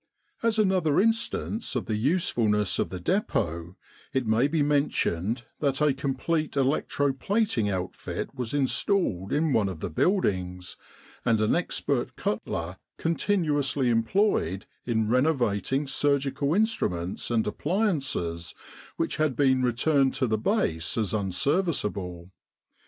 As another instance of the usefulness of the Depot, it may be mentioned that a complete electro plating outfit was installed in one of the buildings, and an expert cutler continuously employed in renovating surgical instruments and appliances which had been returned to the Base as unserviceable.